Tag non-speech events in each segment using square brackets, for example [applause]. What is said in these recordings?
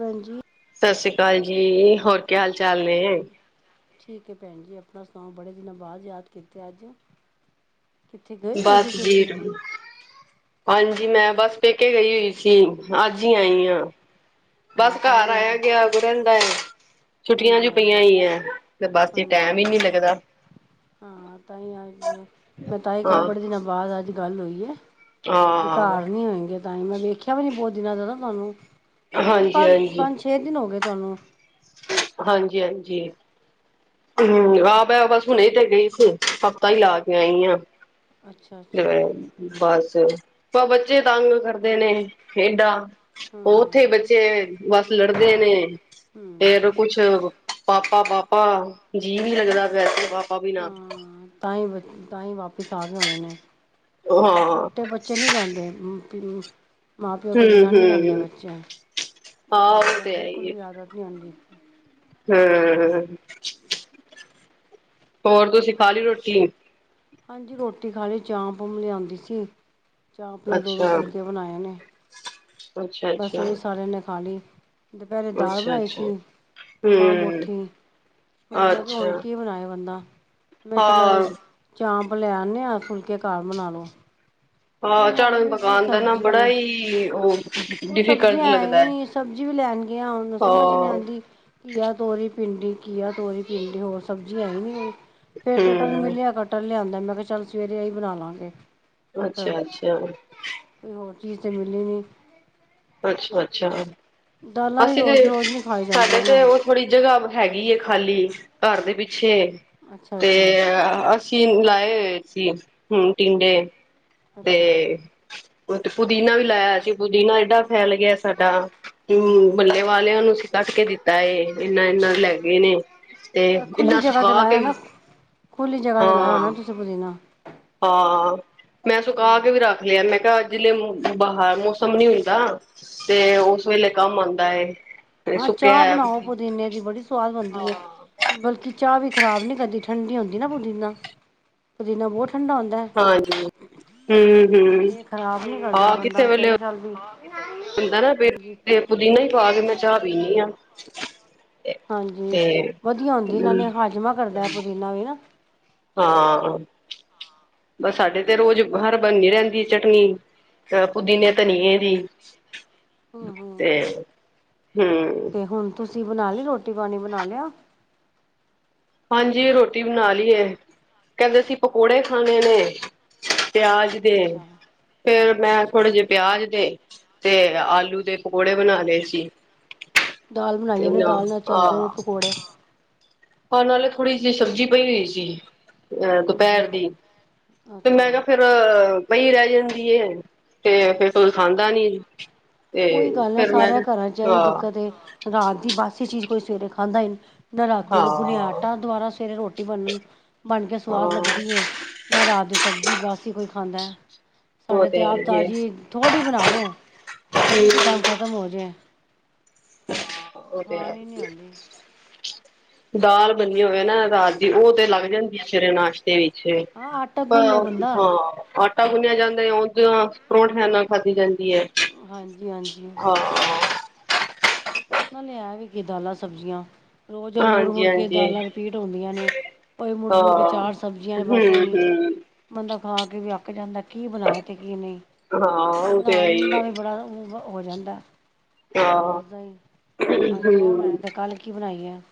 ਹਾਂਜੀ ਸਤਿ ਸ੍ਰੀ ਅਕਾਲ ਜੀ, ਹੋਰ ਕੀ ਹਾਲ ਚਾਲ ਨੇ? ਠੀਕ ਹੈ ਭੈਣ ਜੀ ਆਪਣਾ ਸੁਣਾਓ? ਬੜੇ ਦਿਨਾਂ ਬਾਅਦ ਯਾਦ ਕੀਤੇ ਅੱਜ ਕਿੱਥੇ ਗਏ ਅਸੀਂ ਬਸ ਜੀ ਤੁਸੀਂ ਪੰਜ ਮੈਂ ਬਸ ਪੇਕੇ ਗਈ ਹੋਈ ਸੀ, ਅੱਜ ਹੀ ਆਈ ਹਾਂ ਹਾਂ ਬਸ ਤਾਂ ਹੀ ਘਰ ਮੈਂ ਆਇਆ ਗਿਆ, ਵੀ ਰਹਿਦਾ ਛੁੱਟੀਆਂ ਹਾਂਜੀ ਅਜੇ ਪਈਆਂ, ਹਾਂਜੀ ਹੀ ਹੈ ਤੇ ਬਸ ਤੇ ਟੈਮ ਹਾਂਜੀ ਹੀ ਨਹੀ ਲੱਗਦਾ ਹਾਂ ਤਾਂਹੀ ਅੱਜ ਮੈਂ ਤਾਂਹੀ ਕਾਂਹ ਹਾਂ ਬੜੇ, ਦਿਨਾਂ ਬਾਅਦ ਅੱਜ ਗੱਲ ਹੋਈ ਹੈ ਹਾਂ। ਘਾਰ ਨੀ ਹੋਏਂਗੀ, ਤਾਂ ਮੈਂ ਵੇਖਿਆ ਵੀ ਨੀ ਬਹੁਤ ਦਿਨਾਂ ਦਾਨਾ ਤੁਹਾਨੂੰ ਹੋ ਗਏ ਹਾਂਜੀ-ਹਾਂਜੀ, ਪੰਜ-ਪੰਜ ਛੇ ਦਿਨ ਹੋ ਗਏ ਤੁਹਾਨੂੰ ਹਾਂਜੀ-ਹਾਂਜੀ, ਹੂੰ ਆ ਮੈ ਬਸ ਹੁਣੇ ਤੇ ਗਈ ਸੀ ਹਫਤਾ ਹੀ ਲਾ ਕੇ ਆਂਈ ਆਂ ਅੱਛਾ ਅੱਛਾ ਬਸ ਪਰ ਬੱਚੇ ਤੰਗ ਕਰਦੇ ਨੇ ਖੇਡਾਂ ਉਹ ਉੱਥੇ ਹੂੰ ਬੱਚੇ ਬਸ ਲੜਦੇ ਨੇ ਹੂੰ ਫੇਰ ਕੁਛ ਪਾਪ ਪਾਪਾ-ਪਾਪਾ ਜੀਅ ਵੀ ਲੱਗਦਾ ਪਤਾ ਏਥੇ ਪਾਪਾ ਬਿਨਾ। ਸਾ ਵੀ ਹੋਣੇ ਨੇ ਛੋਟੇ ਬੱਚੇ ਨੀ ਰਹਿੰਦੇ। ਮਾਂ ਪਿਓ ਹੂੰ ਤੋਂ ਬਿਨਾਂ ਨਹੀਂ ਰਹਿੰਦੇ ਹੂੰ ਬੱਚੇ ਹਾਂ ਕਈ ਉਹ ਬੱਚਿਆਂ ਨੂੰ ਬਿਲਕੁਲ ਵੀ ਆਦਤ ਨਹੀਂ ਹੁੰਦੀ। ਹਮ-ਹਮ। ਹੋਰ ਤੁਸੀ ਖਾਲੀ ਰੋਟੀ। ਹਾਂਜੀ ਰੋਟੀ ਖਾਲੀ ਚਾਪ ਲਿਆਂਦੀ ਸੀ। ਚਾਹ ਭਲਾ ਦੋ ਦੋ ਅੱਛਾ ਫੁਲਕੇ ਬਣਾਏ ਨੇੇ। ਅੱਛਾ ਬਸ ਅੱਛਾ ਇਹ ਸਾਰਿਆਂ ਨੇ ਖਾ ਲਈ। ਦੁਪਹਿਰੇ ਦਾਲ ਅੱਛਾ ਬਣਾਈ ਅੱਛਾ ਸੀ ਮਾਂ ਹੂੰ ਮੁੱਠੀ। ਮੈਂ ਕਿਹਾ ਹੁਣ ਅੱਛਾ ਕੀ ਬਣਾਇਆ ਬੰਦਾ ਮੈਂ ਚਲਾ ਅੱਜ ਹਾਂ ਚਾਪ। ਲਿਆਨੇ ਆ ਫੂਲਕੇ ਘਰ ਬਣਾ ਲਓ। ਹਾਂ ਹੋਰ ਹੈ ਝਾੜੂ ਵੀ ਕੀ ਪਕਾਣ ਦਾ ਨਾ ਸਬਜ਼ੀ ਬੜਾ ਹੀ ਉਹ ਉਹ ਸਬਜ਼ੀ ਡਿਫੀਕਲਟ ਐ ਹੀ ਲੱਗਦਾ ਹੈ। ਨੀ ਸਬਜ਼ੀ ਵੀ। ਲੈਣ ਗਿਆ ਉਹਨੂੰ ਸਮਝ ਨਹੀਂ ਹਾਂ ਆਉਂਦੀ ਘਿਆ ਤੋਰੀ। ਪਿੰਡੀ, ਘਿਆ, ਤੋਰੀ ਟਿੰਡੇ ਹੋਰ ਸਬਜ਼ੀ ਐ ਨਹੀ ਫਿਰ ਕਟਲ ਹੂੰ ਮਿਲਿਆ ਕਟਲ ਲਿਆਦਾ। ਮੈਂ ਕਿਹਾ ਚੱਲ ਸਵੇਰੇ ਇਹੀ ਬਣਾ ਲਵਾਂਗੇ। ਅੱਛਾ ਅੱਛਾ। [inaudible] [inaudible] [unintelligible] [unintelligible] ਅੱਛਾ ਅੱਛਾ। ਦਾਲਾਂ ਵੀ ਅਸੀਂ ਰੋਜ਼ ਰੋਜ਼ ਨਹੀਂ ਖਾਈ ਸਾਡੇ ਜਾਂਦੀਆਂ ਨਾ ਤੇ ਉਹ ਥੋੜੀ ਜਗ੍ਹਾ ਹੈਗੀ ਏ। ਖਾਲੀ ਘਰ ਦੇ ਪਿੱਛੇ ਅੱਛਾ ਤੇ ਅੱਛਾ ਅਸੀਂ ਲਾਏ ਹੋਏ। ਸੀ ਹੁਣ ਟਿੰਡੇ ਤੇ। ਅੱਛਾ ਤੇ ਪੁਦੀਨਾ ਵੀ ਲਾਇਆ ਸੀ ਪੁਦੀਨਾ ਏਡਾ। ਫੈਲ ਗਿਆ, ਸਾਡਾ ਹੂੰ ਹੁੰ ਹੂੰ ਮੱਲੇ ਵਾਲਿਆਂ ਨੂੰ ਅਸੀਂ ਕੱਢ ਕੇ ਦਿੱਤਾ ਏ। ਇੰਨਾ ਇੰਨਾ ਲੈ ਗਏ ਨੇ ਤੇ ਜਿੰਨਾ ਸੁਖਾ ਕੇ। ਖੁੱਲੀ ਜਗ੍ਹਾ ਤੇ ਲਾਇਆ ਹੋਣਾ ਹਾਂ ਤੁਸੀ ਪੁਦੀਨਾ। ਹਾਂ ਮੈਂ ਸੁਕਾ ਹੂੰ ਕੇ ਵੀ ਰੱਖ ਲਿਆ ਮੈਂ ਕਿਹਾ। ਬਾਹਰ ਮੌਸਮ ਨਹੀਂ ਹੁੰਦਾ ਤੇ ਉਸ ਵੇਲੇ ਕੰਮ ਆਉਂਦਾ ਏ। ਹਾਂ ਸੁੱਕਿਆ ਚਾਹ ਹੋਇਆ ਬਣਾਓ ਪੁਦੀਨਾ ਪੁਦੀਨੇ ਦੀ ਬੜੀ ਸਵਾਦ ਬਣਦੀ ਏ ਹਾਂ ਬਲਕਿ ਚਾਹ ਵੀ ਖ਼ਰਾਬ ਨੀ ਕਰਦੀ। ਠੰਢੀ ਹੂੰਦੀ ਏ ਨਾ ਪੁਦੀਨਾ ਬਹੁਤ। ਠੰਡਾ ਹੁੰਦਾ ਹਾਂਜੀ ਹੂੰ ਹੂੰ ਤੇ ਖਰਾਬ ਨਹੀਂ ਕਰਦਾ ਹਾਂ ਕਿਸੇ ਬੰਦਾ ਵੇਲੇ ਕਹਿੰਦਾ ਚਲ ਬੀ। ਪੁਦੀਨਾ ਹੀ ਪਾ ਕੇ ਮੈਂ ਚਾਹ ਪੀਨੀ ਆ। ਹਾਂਜੀ ਤੇ ਵਧੀਆ ਹੁੰਦੀ ਹੂੰ ਨਾਲੇ ਹਜਮਾ ਕਰਦਾ ਪੁਦੀਨਾ ਵੀ ਨ। ਹਾਂ ਬਸ ਸਾਡੇ ਤੇ ਰੋਜ਼ ਬਾਹਰ ਬੰਨਦੀ ਰਹਿੰਦੀ ਚਟਨੀ। ਪੁਦੀਨੇ ਧਨੀਏ ਦੀ। ਹੂੰ ਹੂੰ ਤੇ ਹੁੰਮ। ਜੀ ਬਣਾ ਲਈ ਰੋਟੀ ਪਾਣੀ ਬਣਾ ਲਿਆ। ਹਾਂਜੀ ਰੋਟੀ ਬਣਾ ਲਈਏ ਕਹਿੰਦੇ ਸੀ ਪਕੌੜੇ ਖਾਣੇ ਨੇ। ਪਿਆਜ ਦੇ ਅੱਛਾ ਫਿਰ ਮੈਂ ਅੱਛਾ ਥੋੜੇ ਜਿਹੇ ਪਿਆਜ ਦੇ ਤੇ ਆਲੂ ਦੇ। ਪਕੋੜੇ ਬਣਾ ਲਏ ਸੀ ਦਾਲ ਬਣਾਈ ਉਹਨੇ ਨਾ। ਦਾਲ ਨਾਲ ਚੱਲਦੇ ਨੇ ਪਕੌੜੇ ਖਾਣ ਵੇਲੇ ਥੋੜੀ ਜਿਹੀ ਸਬਜੀ ਪਈ ਹੋਈ ਸੀ। ਹੂੰ ਦੁਪਹਿਰ ਹੂੰ ਦੀ ਤੇ ਅੱਛਾ ਮੈਂ ਕਿਹਾ ਫਿਰ। ਬਈ ਰਹਿ ਜਾਂਦੀ ਤੇ ਫਿਰ ਕੋਈ ਖਾਂਦਾ ਨੀ। ਤੇ ਉਹੀ ਗੱਲ ਫੇਰ ਮੈਂ ਸਾਰਿਆਂ ਘਰਾਂ ਚ ਹੀ ਹਾਂ ਦਿੱਕਤ ਰਾਤ ਦੀ ਬਾਸੀ ਚੀਜ਼ ਕੋਈ ਸਵੇਰੇ ਖਾਂਦਾ ਹੀ ਨਹੀਂ। ਨਾ ਰਾਤੀ ਹਾਂ ਗੁਨਿਆ ਆਟਾ ਦੁਬਾਰਾ ਸਵੇਰੇ ਰੋਟੀ ਬੰਨਣ। ਬਣ ਕੇ ਹਾਂ ਸਵਾਦ ਲੱਗਦੀ ਏ ਨਾ ਰਾਤ ਦੀ ਸਬਜ਼ੀ ਬਸ ਹੀ ਕੋਈ ਖਾਂਦਾ। ਉਹ ਸਾਡੇ ਤੇ ਹੈ ਆਪ ਹੀ ਏ ਤਾਜੀ ਥੋੜੀ ਬਣਾ ਲਓ ਵੀ ਉਸੀ ਟਾਈਮ ਖਤਮ ਹੋ ਜਾਏ। ਉਹ ਤੇ ਖਾਣ ਹੈ ਹੀ ਨਹੀਂ ਹੁੰਦੀ। ਦਾਲ ਬੰਨੀ ਹੋਵੇ ਨਾ ਰਾਤ ਦੀ ਉਹ ਤੇ ਲੱਗ ਜਾਂਦੀ ਸਵੇਰੇ ਨਾਸ਼ਤੇ ਵਿੱਚ। ਹਾਂ [unintelligible] ਆਟਾ [unintelligible] ਗੁੰਨ ਲਏ ਬੰਦਾ ਗੁੰਨਿਆ ਜਾਂਦਾ ਪਰੌਂਠੇ ਆ ਨਾਲ ਖਾਧੀ ਜਾਂਦੀ ਏ। ਹਾਂਜੀ ਹਾਂਜੀ। ਨਾਲ ਲਿਆ ਵੀ ਕਿ ਦਾਲਾਂ ਸਬਜ਼ੀਆਂ, ਰੋਜ਼ ਹਾਂਜੀ ਮੁੜ-ਮੁੜ ਕੇ ਹਾਂਜੀ ਦਾਲਾਂ ਰਿਪੀਟ ਹੁੰਦੀਆਂ ਨੇ। ਭਾਈ ਮੁੜ-ਮੁੜ ਕੇ ਹਾਂ ਚਾਰ ਸਬਜ਼ੀਆਂ ਨੇ, ਬਸ ਹਮ ਉਹੀ। ਹਮ ਬੰਦਾ ਖਾ ਕੇ ਵੀ ਅੱਕ ਜਾਂਦੈ, ਕੀ ਬਨਾਏ ਤੇ ਕੀ ਨਹੀਂ? ਹਾਂ ਉਹ ਤੇ ਹੈ ਬਣਾਉਣ ਹੀ ਦਾ ਵੀ ਬੜਾ ਹੋ ਜਾਂਦੈ, ਹਾਂ ਰੋਜ਼ ਦਾ ਈ ਅੱਜ ਐ ਹਮ ਬਨਾਇਆ, ਅਤੇ ਕੱਲ ਕੀ ਬਨਾਈ- ਆ- [inaudible]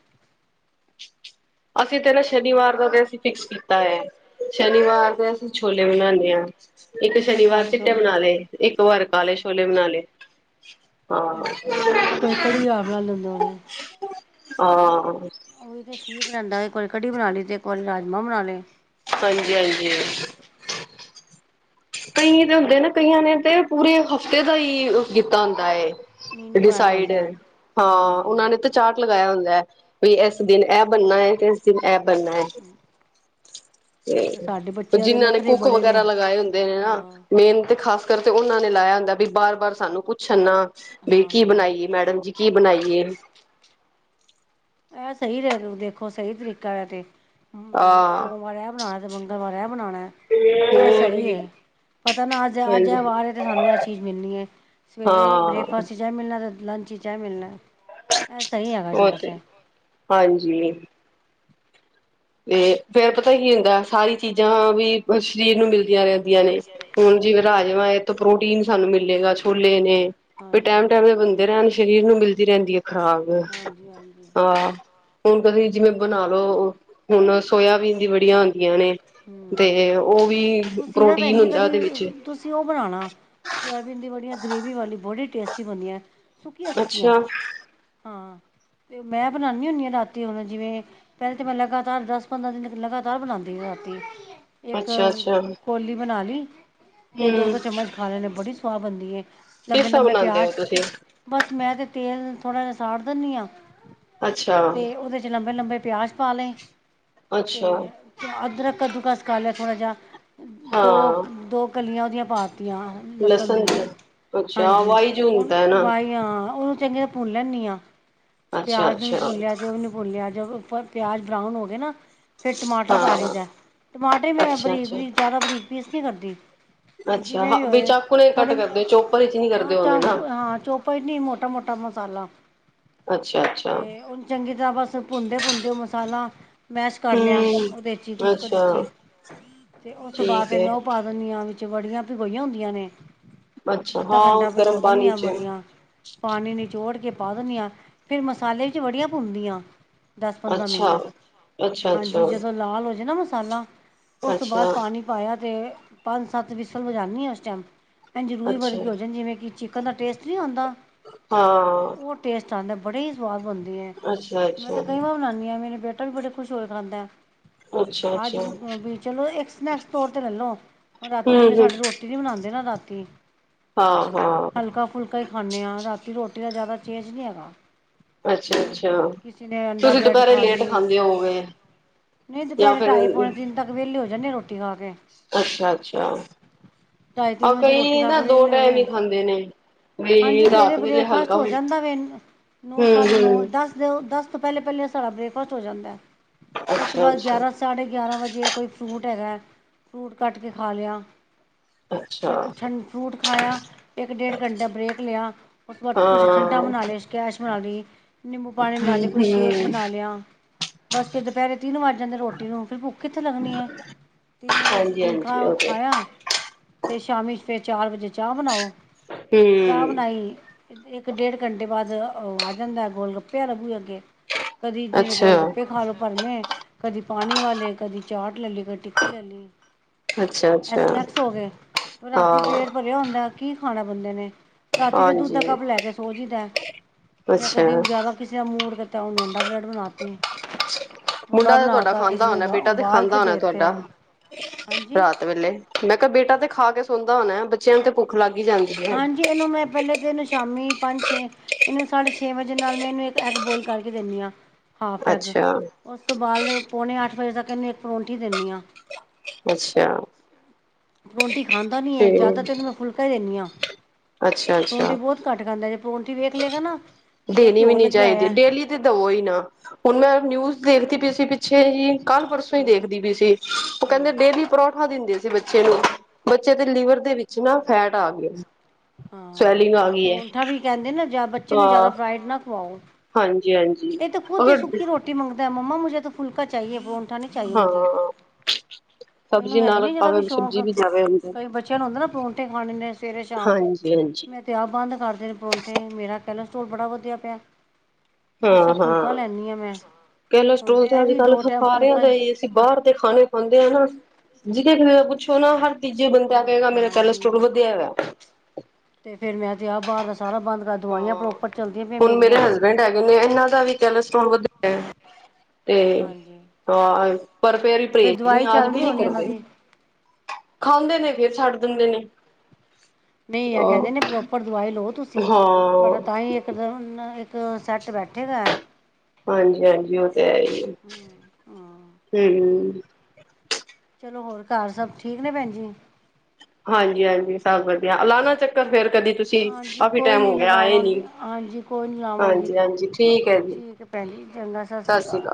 ਅਸੀਂ ਤੇ ਨਾ ਸ਼ਨੀਵਾਰ ਦਾ ਤੇ, ਅਸੀਂ ਫਿਕਸ ਕੀਤਾ ਐ, ਸ਼ਨੀਵਾਰ ਦੇ ਅਸੀਂ ਛੋਲੇ ਬਨਾਉਦੇ- ਇੱਕ ਅੱਛਾ ਸ਼ਨੀਵਾਰ ਕਾਲੇ ਚਿੱਟੇ ਛੋਲੇ ਬਣਾ ਲਏ, ਇੱਕ ਵਾਰ ਕਾਲੇ ਸ਼ੋਲੇ ਬਨਾ ਲਏ। ਹਾਂ ਅੱਛਾ ਤੇ ਕੋਈ ਘੜੀ ਆਮ ਨਾਲ ਲੈਂਦਾਵੇ [inaudible] ਹਾਂ ਉਹੀ ਤੇ ਠੀਕ ਰਹਿੰਦਾ ਏ, ਇਕ ਵਾਰੀ ਕੜੀ ਬਣਾ ਲਈ ਤੇ, ਇੱਕ ਵਾਰੀ ਰਾਜਮਾਂ ਬਣਾ ਲਏ। ਹਾਂਜੀ ਹਾਂਜੀ। ਕਈ ਤੇ ਹੁੰਦੇ ਨਾ, ਕਈਆਂ ਨੇ ਤੇ ਪੂਰੇ ਹਫ਼ਤੇ ਦਾ ਹੀ ਕਿਤਾ ਹੁੰਦਾ ਏ। ਮੈਨੂੰ ਬਣਾਇਆ ਡਿਸਾਈਡ, ਆਉਂਦਾ ਹਾਂ ਹਾਂਜੀ ਉਹਨਾਂ ਨੇ ਤਾਂ ਚਾਰਟ ਲਗਾਇਆ ਹੁੰਦੈ ਐ। ਵੀ ਇਸ ਦਿਨ ਐ ਬਨਨਾ ਐ, ਤੇ ਇਸ ਦਿਨ ਐ ਬਨਨਾ ਐ। ਅਤੇ ਸਾਡੇ ਤੇ ਬੱਚਿਆਂ ਦੇ ਜਿੰਨਾਂ ਨੇ ਨਖਰੇ ਕੁੱਕ ਬੜੇ ਨੇ ਵਗੈਰਾ ਲਗਾਏ ਹੁੰਦੇ- ਨੇ ਹਾਂ ਮੇਨ ਤੇ ਖ਼ਾਸ ਕਰਕੇ ਤੇ ਉਹਨਾਂ ਨੇ ਲਾਇਆ ਹੁੰਦਾ ਵੀ, ਬਾਰ ਬਾਰ ਸਾਨੂੰ ਪੁੱਛਣ ਨਾ ਬੀ ਹਾਂ ਕੀ ਹਾਂ ਬਣਾਈਏ, ਮੈਡਮ ਜੀ, ਕੀ ਬਣਾਈਏ? ਐ ਸਈ ਰਿਹਾ ਦੇਖੋ ਸਹੀ ਤਰੀਕਾ ਹੈ ਤੇ- ਹਮ ਹਾਂ ਸੋਮਵਾਰ ਐ ਬਨਾਨੈ, ਤੇ ਮੰਗਲਵਾਰ ਐ ਬਣਾਨੈ, ਐ ਹੋਰ ਸਈ ਏ। ਪਤਾ ਨਾ ਅੱਜ ਅੱਜ ਇਹ ਹਾਂਜੀ ਵਾਰ ਏ, ਤੇ ਸਾਨੂੰ ਇਹ ਚੀਜ਼ ਮਿਲਨੀ ਏ, ਸਵੇਰੇ ਹਾਂ ਬ੍ਰੇਕਫਾਸਟ ਚ ਜਾ ਮਿਲਣਾ ਲੰਚ ਚ ਏ ਮਿਲਣਾ ਐ ਸਹੀ ਆ ਉਹ ਤੇ ਵੈਸੇ। ਹਾਂਜੀ! ਤੇ ਫੇਰ ਪਤਾ ਕੀ ਹੁੰਦਾ, ਸਾਰੀ ਚੀਜ਼ਾਂ ਵੀ ਸਰੀਰ ਨੂੰ ਮਿਲਦੀਆਂ ਨੇ - ਆਂ ਨੇ ਹੁਣ ਜਿਵੇਂ ਰਾਜਮਾਂ ਇਹ ਤੋਂ ਪ੍ਰੋਟੀਨ ਸਾਨੂੰ ਮਿਲੇਗਾ, ਛੋਲੇ ਨੇ- ਵੀ ਹਾਂਜੀ ਟੈਮ-ਟੈਮ ਦੇ ਬੰਣ ਦੇ ਰਹਿਣ ਸਰੀਰ ਨੂੰ ਮਿਲਦੀ ਰਹਿੰਦੀ ਹੈ ਖ਼ਰਾਕ। ਹਾਂਜੀ ਹਾਂਜੀ ਹਾਂ, ਹੁਣ ਤੁਸੀਂ ਜਿਵੇਂ ਬਨਾ ਲਓ, ਹੁਨ ਸੋਇਆ ਵੀਨ ਦੀ ਵੜੀਆਂ ਨੇ ਤੇ ਹੂੰ ਉਹ ਵੀ ਤੁਸੀਂ ਨਾ ਭੈਣ ਪ੍ਰੋਟੀਨ ਜੀ ਹੁੰਦਾ ਕਦੀ ਉਹਦੇ ਵਿੱਚ- ਤੁਸੀਂ ਉਹ ਬਣਾਉਣਾ ਸੋਇਆਬੀਨ ਦੀ ਵੜੀਆਂ ਗ੍ਰੇਵ ਵਾਲੀ, ਬੜੀ ਟੇਸਟੀ ਬਨਦੀਐਂ, ਸੁੱਕੀਆਂ-ਸੁੱਕੀਆਂ। ਅੱਛਾ ਹਾਂ ਤੇ ਮੈਂ ਬਨਾਂਨੀਂ ਹੁੰਨੀਂ ਆਂ ਰਾਤੀ ਹੁਨ ਜਿਵੇਂ, ਪਹਿਲੇ ਤਾਂ ਮੈਂ ਲਗਾਤਾਰ ਦਸ ਪੰਦਰਾਂ ਦਿਨ ਲਗਾਤਾਰ ਬਣਾਉਂਦੀ ਹ ਰਾਤੀ ਇੱਕ, ਅੱਛਾ ਅੱਛਾ ਹਮ ਕੌਲੀ ਬਨਾ ਲੀ ਤੇ ਦੋ-ਦੋ ਚਮਚ ਖਾ ਲੈਣੇ, ਬੜੀ ਸਵਾਦ ਬਨਦੀ ਏ, ਕਿਸ ਤਰਾਂ ਲੰਬੇ-ਲੰਬੇ ਬਣਾਉਂਦੇ ਹੋ ਪਿਆਜ ਤੁਸੀਂ ਬਸ ਮੈਂ ਤੇ ਤੇਲ ਥੋੜ੍ਹਾ ਜਿਹਾ ਸਾੜ ਦਿੰਨੀ ਆਂ, ਅੱਛਾ ਤੇ ਉਹਦੇ ਚ ਲੰਬੇ ਲੰਬੇ ਪਿਆਜ ਪਾ ਲਏ, ਅੱਛਾ ਤੇ ਅਦਰਕ ਕੱਦੂ ਕਸ ਕੱਲ ਥੋੜ੍ਹਾ ਜਿਹਾ, ਦੋ ਹਾਂ ਦੋ ਕਲੀਆਂ ਉਹਦੀਆਂ ਪਾ- ਲਸਨ ਲਸਣ ਦੀਆਂ, ਦੀ ਅੱਛਾ ਹਾਂਜੀ। ਵਾਈਜ ਉਹ ਹੁੰਦਾ ਹੈ ਨਾ ਵਹੀਆਂ ਉਹਨ- ਚੰਗੇ ਭੁਨ ਲੈਂਨੀ ਆ, ਅੱਛਾ ਪਿਆਜ਼ ਨੂੰ ਵੀ ਅੱਛਾ ਭੁਨ ਲੇਆ, ਤੇ ਓਹ ਵੀ ਭੁਨ ਲੀਆ ਜ- ਉੱਪਰ ਪਿਆਜ ਬਰਾਊਨ ਹੋਗਏ ਨਾ, ਫਿਰ ਟਮਾਟਰ ਪਾ ਲਈ ਹਾਂ ਦਾ ਟਮਾਟਰ ਮੈਂ ਅੱਛਾ ਅੱਛਾ ਬਰੀਕ-ਬਰੀਕ ਜ਼ਿਆਦਾ ਬਰੀਕ ਪੀਸ ਨੀ ਕਰਦੀ। ਵੀ ਅੱਛਾ ਜਿਵੇਂ ਹਾਂ ਵੀ ਬਈ ਹੋਏ ਚਾਕੂ ਨੇ ਕੱਟ ਥੋੜੇ ਕਰਦੇ ਚੋਪਰ ਵਿਚ ਨੀ ਹਾਂ ਕਰਦੇ ਹੋਣੇ ਚ ਨਾ ਹਾਂ ਚੋਪ ਇਨੀ ਮੋਟਾ ਮੋਟਾ- [unintelligible] ਮਸਾਲਾ, ਅੱਛਾ ਅੱਛਾ ਤੇ ਹੁਣ ਚੰਗੀ ਤਰ੍ਹਾਂ ਬਸ ਭੁੰਨਦੇ ਪੁੰਨਦੇ ਉਹ ਮਸਾਲਾ ਮੈਸ ਕਰੱ ਲਿਆ, ਹਮ ਉਹਦੇ 'ਚ ਹੀ ਕੁੱਕਰ ਅੱਛਾ ਵਿੱਚ ਹੀ, ਅਤੇ ਉਸ ਤੋਂ ਬਾਅਦ ਠੀਕ ਫਿਰ ਹੈ ਮੈਂ ਉਹ ਪਾ ਦਿੰਨੀਂ ਆਂ ਵਿੱਚ ਬੜੀਆਂ ਭਗੋਈਆਂ ਹੁੰਦੀਆਂ ਨੇ ਅੱਛਾ ਅੱਧਾ ਹਾਂ ਘੰਟਾ ਗਰਮ ਭਿਗੋ ਦੇਨੀ ਪਾਣੀ ਆਂ ਚ ਬੜੀਆਂ, ਪਾਣੀ ਨੀਚੋੜ ਕੇ ਪਾ ਦਿੰਨੀਂ ਆਂ, ਫੇਰ ਮਸਾਲੇ ਵਿੱਚ ਵੜੀਆਂ ਭੁੰਨਦੀਆਂ ਦਸ ਪੰਦਰਾਂ ਮਿੰਟ, ਅੱਛਾ ਅੱਛਾ ਹਾਂਜੀ ਅੱਛਾ ਜਦੋਂ ਲਾਲ ਹੋ ਜੇ ਨਾ ਮਸਾਲਾ, ਉਸ ਤੋਂ ਬਾਅਦ ਅੱਛਾ ਪਾਨੀ ਪਾਇਆ ਤੇ, ਪੰਜ ਸੱਤ ਵਿਸਲ ਵਜਾਨੀ ਆਂ ਉਸ ਟਾਈਮ- ਅਨਜ ਰੂਈ ਅੱਛਾ ਵਰਗੀ ਹੋ ਜਾਦੀ ਜਿਵੇਂ ਕਿ ਚਿਕਨ ਦਾ ਟੇਸਟ ਨਹੀਂ ਆਉਂਦਾ- ਹਾਂ ਚੰਗਾ ਬੜੇ ਹੀ ਸਵਾਦ ਬਣਦੇ ਹੈ ਅੱਛਾ ਮੈਂ ਅੱਛਾ ਤੇ ਕਈ ਵਾਰ ਬਨਾਉਦੀ ਹਾਂ ਮੇਰੇ ਬੇਟੇ- ਵੀ ਬੜੇ ਖੁਸ਼ ਹੋਕੇ ਖਾਉਦਾ- ਅੱਛਾ ਅੱਜ ਅੱਛਾ ਵੀ ਚਲੋ ਇੱਕ ਸਨੈਕਸ ਤੌਰ ਤੇ ਲੈ ਲਓ ਰਾਤੀ ਜਿਵੇਂ ਹਮ ਸਾਡੀ ਹਮ ਰੋਟੀ ਨੀ ਬਨਉਦੇ ਨਾ ਰਾਤੀ- ਹਾਂ ਹਾਂ ਹਲਕਾ ਫੁਲਕਾ ਹੀ ਖਾਂਦੇ ਹਾਂ ਰਾਤੀ- ਰੋਟੀ ਦਾ ਜ਼ਿਆਦਾ ਚੇਂਜ ਨਹੀਂ ਹੈਗਾ। ਅੱਛਾ ਅੱਛਾ ਕਿਸੇ ਨੇ ਅੰਡਾ ਤੁਸੀਂ ਬ੍ਰੈਡ ਦੁਪਹਿਰੇ ਖਾ ਲੇਟ ਲਈ ਖਾਂਦੇ ਹੋਗੇ ਨਹੀਂ ਜਾਂ ਦੁਪਹਿਰੇ ਫਿਰ ਢਾਈ ਪੌਣੇ ਤਿੰਨ ਤੱਕ ਵਿਹਲੇ ਹੋ ਜਾਂਦੇ ਰੋਟੀ ਖਾ ਕੇ ਅੱਛਾ ਅੱਛਾ ਢਾਈ ਆ ਤਿੰਨ ਵਜੇ ਰੋਟੀ ਕਈ ਖਾ ਨਾ ਕੇ ਦੋ ਵਿਹਲੇ ਹੋਏ ਟਾਈਮ ਹੀ ਖਾਂਦੇ ਨੇ ਹਾਂਜੀ ਵੀ ਸਵੇਰੇ ਰਾਤ ਵੇਲੇ ਬ੍ਰੇਕਫਾਸਟ ਹਲਕਾ ਹੋ ਹਮ ਜਾਂਦਾ ਵੇ ਨੌ ਸਾਢੇ ਨੌ ਹਮ ਦਸ ਦਿ ਦਸ ਉਸ ਤੋਂ ਪਹਿਲੇ ਪਹਿਲਾਂ ਸਾ ਬੇਕਫਸਟ ਹੋ ਜਾਂਦਾ ਹੈ। ਅੱਛਾ ਅੱਛਾ। ਗਿਆਾਰਾਂ ਵਜੇ ਕੋਈ ਫਰੂਟ ਹੈਗਾ ਫਰੂਟ ਕੱਟ ਕੇ ਖਾ ਲਿਆ ਜਾਂ ਅੱਛਾ ਕੁਛ ਠੰਡ ਫਰੂਟ ਖਾਇਆ ਇੱਕ ਡੇਢ ਘੰਟਾ ਬ੍ਰੇਕ ਲਿਆ ਉਸ ਬਾਅਦ ਕੁਛ ਠੰਡ ਅਟਾ ਹਾਂ ਬਣਾ ਲਈ ਸਕੈਸ਼ ਬਣਾ ਲਈ ਨਿੰਬੂ ਪਾਣੀ ਬਣਾ ਲਈ ਹਮ ਕੋਈ ਸ਼ੇਕ ਹਮ ਬਣਾ ਲਿਆ। ਬਸ ਫਰ ਦੁਪਹਿਰੇ ਤਿੰਨ ਵੱਜ ਜਾਂਦੇ ਰੋਟੀ ਨੂੰ ਫੇਿਰ ਭੁੱਖ ਕਿੱਥੇ ਲੱਗਣੀ ਹੈ ਤਿੰਨ ਵਜੇ ਹਾਂਜੀ ਫੁਲਕਾ ਹਾਂਜੀ ਓਕੇ ਖਾਇਆ। ਤੇ ਸ਼ਾਮੀ ਸਰ ਚਾਰ ਵਜੇ ਚਾਹ ਬਣਾਓ ਚਾਹ ਹਮ ਬਣਾਈ ਇੱਕ ਡੇਢ ਘੰਟੇ ਬਾਅਦ ਉਹ ਆ ਜਾਂਦਾ ਗੋਲ ਗੱਪੇ ਵਾਲਾ ਬੂਹੇ ਅੱਗੇ ਅੱਗੇ ਕਦੀ ਜਿਨ ਗੋਲ ਅੱਛਾ, ਗੱਪੇ ਖਾ ਲੋੋ ਭਰਵੇੇ ਕਦੀ। ਪਾਣੀ ਵਾਲੇ ਕਦੀ ਚਾਟ ਲੈ ਲਈ ਕਦੇ ਟਿੱਕੀ ਲੈ ਲਈ ਅੱਛਾ, ਇਹ ਅੱਛਾ ਸਨੈਕਸ ਹੋ ਗਏ ਰਾਤੀ ਹਾਂ, ਪੇਟ ਭਰਿਆ ਹੁੰਦਾ ਕੀ ਖਾਣਾ ਬੰਦੇ ਨੇ ਰਾਤੀ ਫੇ ਦੁੱਧ ਦਾ ਹਾਂਜੀ। ਕੱਪ ਲੈ ਕੇ ਸੋਝੀ ਦਾ ਜਾਂ ਅੱਛਾ, ਕਦੀ ਜਿਆਦਾ ਕਿਸੇ ਦਾ ਮੂੜ ਜਾਂ ਉਸ ਨੂੰ ਅੰਡਾ ਬ੍ਰੈਡ ਬਣਾ ਤ ਪੂੜਾ ਮੁੰਡਾ ਤੇ ਤੁਹਾਡਾ ਖਾਂਦਾ ਹੋਣਾ ਬੇਟਾ ਤੇ ਖਾਂਦਾ ਕੇ ਹੋਣਾ ਦੇਤੇ ਤੁਹਾਡਾ ਹਾਂਜੀ ਰਾਤ ਵੇਲੇ ਮੈਂ ਕਿਹਾ ਬੇਟਾ ਤੇ ਖਾ ਕੇ ਸ ਸੁਣਦਾ ਹੋਣਾ ਬੱਚਿਆਂ ਤੇ ਭੁੱਖ ਲੱਗ ਹੀ ਜਾਂਦੀ ਹੈ। ਹਾਂਜੀ ਇਹਨੂੰ ਮੈਂ ਪਹਿਲੇ ਤੇ ਇਹਨੂੰ ਸ਼ਾਮੀ ਪੰਜ ਛੇ ਇਹਨੂੰ ਸਾਡੇ ਛੇ ਵਜੇ ਨਾਲ ਮੈਂ ਇਹਨੂੰ ਇੱਕ ਐਗ ਬੋਲ ਕਰਕੇ ਦਿੰਦੀ ਹਾਂ। ਹਾਫ ਏਗ਼ ਅੱਛਾ, ਉਸ ਤੋਂ ਬਾਅਦ ਪੌਣੇ ਅੱਠ ਵਜੇ ਤੱਕ ਇਹਨੂੰ ਇੱਕ ਪਰੋਂਂਠੀ ਦਿੰਦੀ ਹਾਂ। ਅੱਛਾ। ਪਰੋਂਟੀ ਖਾਂਦਾ ਨੀ ਹੈ ਜ਼ਿਆਦਾ ਤੇ ਠੀਕ, ਇਹਨ ਮ ਫੁਲਕਾ ਹੀ ਦਿੰਦੀ ਹਾਂ। ਅੱਛਾ, ਪਰੌਂਠੀ ਅੱਛਾ ਬਹੁਤ ਘੱਟ ਖਾਂਦਾ ਜੇ ਪਰੋਂਂਠੀ ਵੇਖ ਲਏਗਾ ਨਾ। ਇਹ ਦੇਣੀ ਵੀ ਘਿਓ ਨੀ ਲੱਗਿਆ ਚਾਹੀਦੀ ਹੋਇਆ ਡੇਲੀ ਤੇ ਦਵੋ ਹੀ ਨਾ ਹੁਣ ਮੈਂ ਨਿਊਜ਼ ਦੇਖਤੀ। ਵੀ ਸੀ ਪਿੱਛੇ ਹੀ ਕੱਲ੍ਹ ਪਰਸੋਂ ਹੀ ਹੂੰ ਦੇਖਦੀ ਪਈ ਸੀ ਉਹ ਕਹਿੰਦੇ ਹੂੰ ਡੇਲੀ ਪਰੌਠਾ ਦਿੰਦੇ ਸੀ। ਬੱਚੇ ਨੂੰ ਬੱਚੇ ਦੇ ਲਿਵਰ ਦੇ ਵਿੱਚ ਨਾ ਫੈਟ ਆ ਗਿਆ। ਹਾਂ ਪਰਠਾ ਵੀ ਕਹਿੰਦੇ ਨਾ ਬੱਚੇ ਨੂੰ ਹਾਂ, ਜਿਆਦਾ ਫਰਾਈਡ ਨਾ ਖਵਾਓ। ਹਾਂਜੀ ਹਾਂਜੀ ਇਹ ਤਾਂ ਖੁਦ ਹੀ ਅਗਰ। ਸੁੱਕੀ ਰੋਟੀ ਮੰਗਦਾ ਮੰਮਾ ਮੁੇ ਤਾਂ ਫੁਲਕਾ ਚਾਹੀਏ ਪਰੋਂਠਾ ਨਹੀਂ ਚਾਹੀਏ ਹਾਂ ਮੁਝੇ ਇਹਨੂੰ ਸਬਜ਼ੀ ਹੈ ਹੀ ਨਾਲ ਨੀ ਜਿਹਦਾ ਭਾਵੇਂ ਵੀ ਸ਼ੌਕ ਸਬਜ਼ੀ ਜਾਵੇ ਅੰਦਰ ਕਈ ਬੱਚਿਆਂ ਨੂੰ ਹੁੰਦਾ ਹੈ ਨਾ ਪਰੌਂਠੇ ਖਾਣੇ ਨੇ ਸਵੇਰੇ ਸ਼ਾਮ ਹਾਂਜੀ ਹਾਂਜੀ ਮੈਂ ਤੇ ਆਹ ਬੰਦ ਕਰਦੇ ਨੇ ਪਰੌਂਠੇ ਮੇਰਾ ਕੈਸਟਰੋਲ ਬੜਾ ਵਧਿਆ ਪਿਆ ਕੁਛ ਫੁਲਕਾ ਲੈਦੀ ਹਾਂ ਮੈਂ ਹੁਣ ਕਲੇਸਟ੍ਰੋਲ ਤਾਂ ਤੇ ਇਹ ਅੱਜ ਵੀ ਕੱਲ ਦੋ ਟਾਈਮ ਸਾਰਿਆਂ ਫੁਲਕਾ ਦੇ ਹੀ ਅਸੀਂ ਬਾਹਰ ਦੇ ਖਾਣੇ ਖਾਂਦੇ ਹ ਨਾ। ਜਿਥ ਪੁੱਛੋ ਨਾ ਹਰ ਤੀਜੇ ਬੰਦਾ ਹਾਂ ਕਹੇਗਾ ਮੇਰਾ ਹਾਂਜੀ ਕੈਸਟਰੋਲ ਵਧਿਆ ਹੈ। ਤੇ ਫੇਰ ਮੈਂ ਤੇ ਆਹ ਬਾਹਰ ਦਾ ਸਾਰਾ ਬੰਦ ਕਰ ਦਵਾਈਆਂ ਹਾਂ ਪ੍ਰੋਪਰ ਚੱਲਦੀਆਂ ਪਈਆਂ ਹੁਣ ਮੇਰੇ ਮੇਰੀਆਂ ਹਸਬੈਂਡ ਹੈਗੇ ਨੇ ਇਹਨਾਂ ਦਾ ਵੀ ਕੈਲਸਟਰੋਨ ਵਧਿਆ ਤੇ ਹਾਂਜੀ ਹਾਂ। ਪਰ ਫੇਰੀ ਫਿਰ ਪਰਹੇਜ਼ ਨਹੀਂ ਦਵਾਈ ਚੱਲ ਆਦਮੀ ਰਹੀ ਨੀ ਹੋਣੀ ਇਹਨਾਂ ਕਰਦੇ ਦੀ ਖਾਂਦੇ ਨੇ ਫਿਰ ਛੱਡ ਦਿੰਦੇ ਨੇ ਨਹੀਂ ਆ ਕਹਿੰਦੇ ਨੇ ਪ੍ਰੋਪਰ ਦਵਾਈ ਲਓ ਤੁਸੀਂ ਹਾਂ ਤੁਹਾਡਾ ਤਾਂ ਹੀ ਇੱਕ ਦਮ ਉਵੇਂ ਸੈੱਟ ਬੈਠੇਗਾ। ਹਾਂਜੀ-ਹਾਂਜੀ ਉਹ ਤੇ ਹੈ ਹੀ ਹੈ। ਹੂੰ ਹਾਂ। ਹੂੰ, ਚਲੋ ਹੋਰ ਘਰ ਸਭ ਠੀਕ ਨੇ ਭੈਣ ਜੀ? ਹਾਂਜੀ-ਹਾਂਜੀ ਸਭ ਵਧੀਆ ਲਾਣਾ ਚੱਕਰ ਫਿਰ। ਕਦੀ ਤੁਸੀਂ ਹਾਂਜੀ ਕਾਫ਼ੀ ਕੋਈ ਟਾਇਮ ਨਹੀਂ ਹੋ ਗਿਆ ਆਏ ਨੀ, ਲਗਾਵਾਂਗੀ ਹਾਂਜੀ ਕੋਈ ਨਹੀਂ ਲਾਵਾਂਗੀ ਹਾਂਜੀ-ਹਾਂਜੀ ਠੀਕ ਹੈ ਜੀ। ਭੈਣ ਜੀ ਚੰਗਾ ਸਤਿ ਸ੍ਰੀ ਅਕਾਲ।